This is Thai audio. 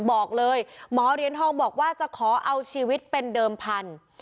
บอกเลยหมอเหรียญทองบอกว่าจะขอเอาชีวิตเป็นเดิมพันธุ์